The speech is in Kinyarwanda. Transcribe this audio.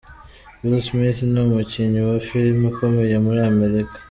Will Smith ni umukinnyi wa filime ukomeye muri Amerika.